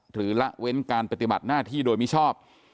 ละเว้นการปฏิบัติหน้าที่โดยมิชอบ